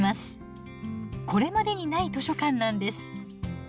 これまでにない図書館なんです。